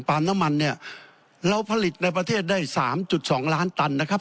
น้ำมันเนี่ยเราผลิตในประเทศได้สามจุดสองล้านตันนะครับ